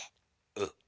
うん。